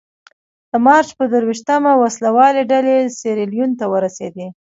د مارچ په درویشتمه وسله والې ډلې سیریلیون ته ورسېدې.